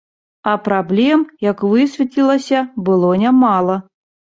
А праблем, як высветлілася, было нямала.